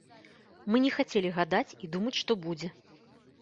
Мы не хацелі гадаць і думаць, што будзе.